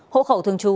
hộ khẩu thường trú